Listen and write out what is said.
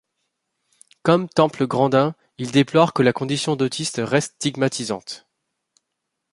Comme Temple Grandin, il déplore que la condition d'autiste reste stigmatisante.